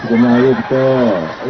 iya melayu betul